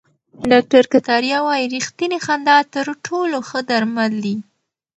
ډاکټر کتاریا وايي ریښتینې خندا تر ټولو ښه درمل دي.